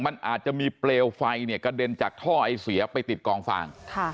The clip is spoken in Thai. มันอาจจะมีเปลวไฟเนี่ยกระเด็นจากท่อไอเสียไปติดกองฟาง